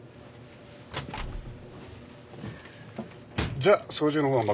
じゃあ操縦の方は任せたから。